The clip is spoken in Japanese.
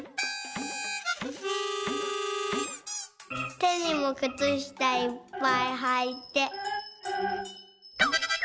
「てにもくつしたいっぱいはいて」。